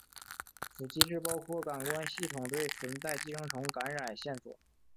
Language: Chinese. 此机制包括感官系统对存在寄生虫感染线索。